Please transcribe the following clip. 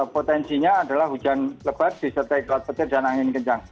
potensinya adalah hujan lebat disertai kelat petir dan angin kencang